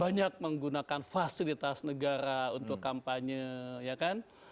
banyak menggunakan fasilitas negara untuk kampanye ya kan